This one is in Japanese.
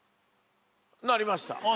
なりました。